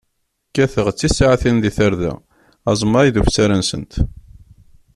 Kkateɣ d tisaɛtin di tarda, aẓmay d ufsar-nsent.